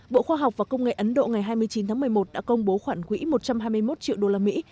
bộ khoa học và công nghệ ấn độ ngày hai mươi chín tháng một mươi một đã công bố khoản quỹ một trăm hai mươi một triệu đô la mỹ